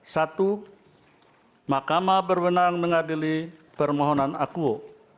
satu mahkamah berwenang mengadili permohonan akuo